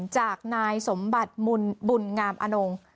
จากนายสมบัติบุญงามอนง